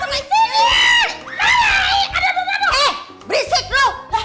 berani beraninya saya dibohongin mulu sih